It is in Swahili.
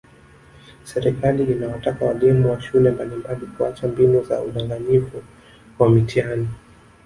Serikali inawataka walimu wa shule mbalimbali kuacha mbinu za udanganyifu wa mitihani